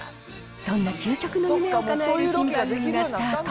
そんな究極の夢をかなえる新番組がスタート。